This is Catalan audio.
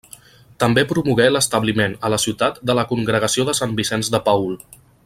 També promogué l'establiment a la ciutat de la Congregació de Sant Vicenç de Paül.